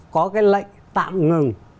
có cái lệnh tạm ngừng